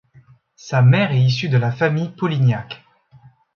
Sa mère est issue de la famille Polignac.